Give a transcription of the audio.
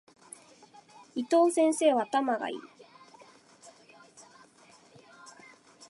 伊藤先生は頭が良い。